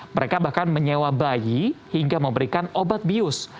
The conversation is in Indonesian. mereka bahkan menyewa bayi hingga memberikan obat bius